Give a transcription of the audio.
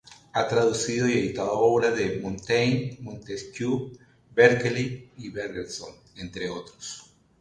Ha traducido y editado obras de Montaigne, Montesquieu, Berkeley y Bergson, entre otros.